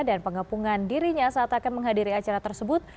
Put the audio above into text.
dan pengepungan dirinya saat akan menghadiri acara tersebut